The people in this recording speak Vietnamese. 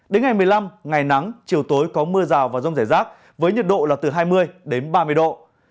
đến ngày một mươi năm ngày nắng chiều tối có mưa rào và rông rải rác với nhiệt độ là từ hai mươi đến ba mươi độ